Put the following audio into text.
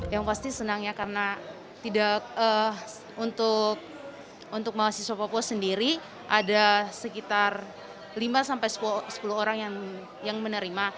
yang pasti senang ya karena untuk mahasiswa papua sendiri ada sekitar lima sampai sepuluh orang yang menerima